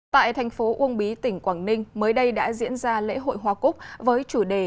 tại thành phố uông bí tỉnh quảng ninh mới đây đã diễn ra lễ hội hoa cúc với chủ đề